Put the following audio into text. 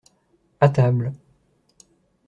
À table.